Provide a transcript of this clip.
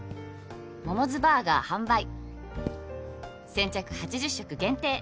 「モモズバーガー販売」「先着８０食限定！！」